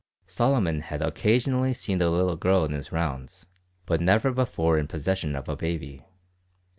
Solomon had occasionally seen the little girl in his rounds, but never before in possession of a baby.